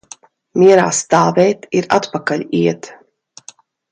Mierā stāvēt ir atpakaļ iet.